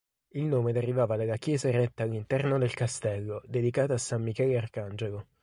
Il nome derivava dalla chiesa eretta all'interno del castello, dedicata a San Michele Arcangelo.